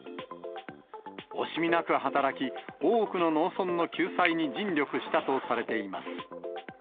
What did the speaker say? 惜しみなく働き、多くの農村の救済に尽力したとされています。